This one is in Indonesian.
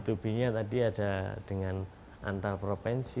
dua b nya tadi ada dengan antar provinsi